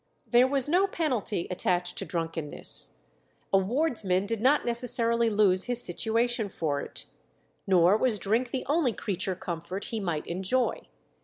There was no penalty attached to drunkenness. A wardsman did not necessarily lose his situation for it. Nor was drink the only creature comfort he might enjoy.